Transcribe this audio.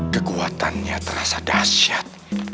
kekuatannya terasa dahsyat